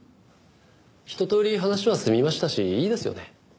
ひととおり話は済みましたしいいですよね？